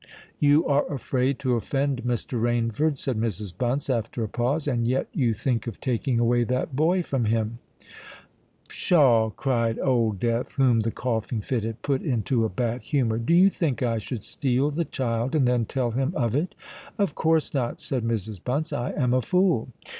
"You are afraid to offend Mr. Rainford," said Mrs. Bunce, after a pause, "and yet you think of taking away that boy from him." "Pshaw!" cried Old Death, whom the coughing fit had put into a bad humour; "do you think I should steal the child and then tell him of it?" "Of course not," said Mrs. Bunce. "I am a fool."